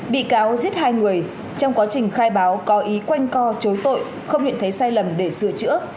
bị cáo giết hai người trong quá trình khai báo có ý quanh co chối tội không nhận thấy sai lầm để sửa chữa